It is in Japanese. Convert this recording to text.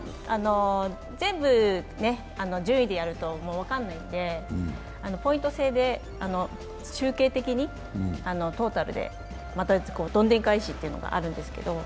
全部を順位でやると分からないのでポイント制で集計的にトータルで、どんでん返しがあるんですけど。